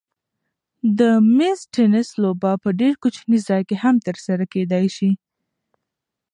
د مېز تېنس لوبه په ډېر کوچني ځای کې هم ترسره کېدای شي.